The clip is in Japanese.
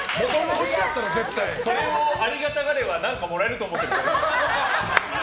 それをありがたがれば何かもらえると思ってるだろ。